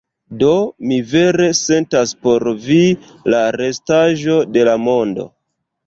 Do mi vere sentas por vi, la restaĵo de la mondo.